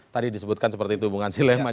tadi disebutkan seperti itu bung ansi lema